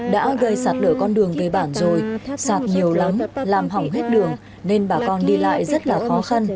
đã gây sạt lở con đường về bản rồi sạt nhiều lắm làm hỏng hết đường nên bà con đi lại rất là khó khăn